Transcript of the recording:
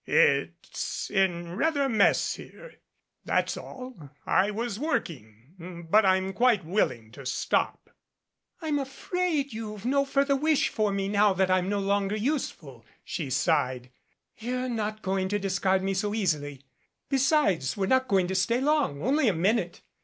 It's in rather a mess here, that's all. I was working, but I'm quite willing to stop." "I'm afraid you've no further wish for me now that 12 THE GORILLA I'm no longer useful," she sighed. "You're not going to discard me so easily. Besides, we're not going to stay long only a minute.